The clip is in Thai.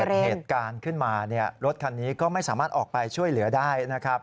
เกิดเหตุการณ์ขึ้นมาเนี่ยรถคันนี้ก็ไม่สามารถออกไปช่วยเหลือได้นะครับ